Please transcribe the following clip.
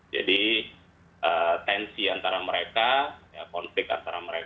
jadi tensi antara mereka ya konflik antara mereka